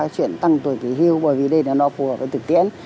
chuyện tăng tuổi nghỉ hưu bởi vì đây là nó phù hợp với thực tiễn